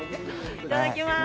いただきます。